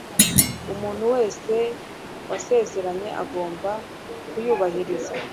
Umuntu wese wasezeranye agomba kuyubahiriza